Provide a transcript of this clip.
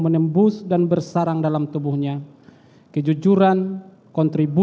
suatu sejarah jauh terpengah